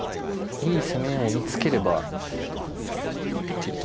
いい攻めを見つければっていうところですね。